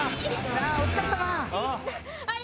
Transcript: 惜しかったな！